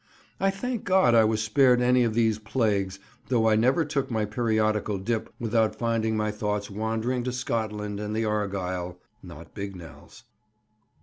I thank God I was spared any of these "plagues," though I never took my periodical dip without finding my thoughts wandering to Scotland and the Argyll (not Bignell's).